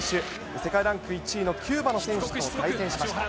世界ランク１位のキューバの選手と対戦しました。